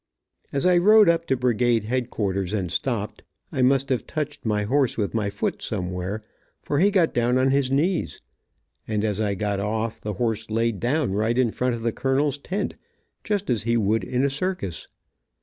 As I rode up to brigade headquarters and stopped, I must have touched my horse with my foot somewhere, for he got down on his knees, and as I got off, the horse laid down right in front of the colonel's tent, just as he would in a circus.